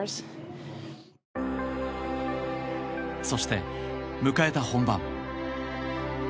そして、迎えた本番。